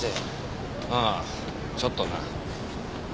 ああちょっとな。